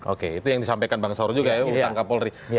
oke itu yang disampaikan bang saur juga ya tentang kapolri